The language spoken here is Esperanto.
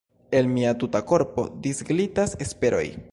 El mia tuta korpo disglitas Esperoj.